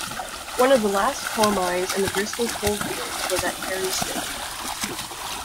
One of the last coal mines in the Bristol Coalfield was at Harry Stoke.